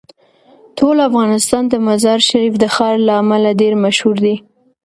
ټول افغانستان د مزارشریف د ښار له امله ډیر مشهور دی.